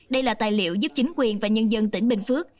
đây là tài liệu giúp chính quyền và nhân dân tỉnh bình phước